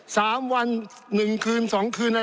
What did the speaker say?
ท่านประธานที่ขอรับครับ